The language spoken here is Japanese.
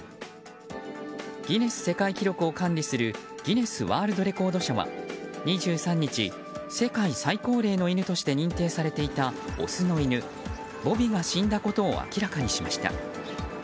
ギネス世界記録を管理するギネスワールドレコード社は２３日世界最高齢の犬として認定されていたオスの犬、ボビが死んだことを明らかにしました。